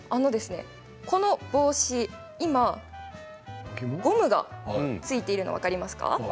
この帽子、今ゴムが付いているの分かりますか。